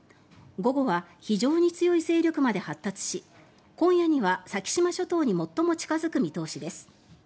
午後は非常に強い勢力まで発達し今夜には先島諸島に最も近付く見通しです。